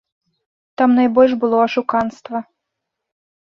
Там найбольш было ашуканства.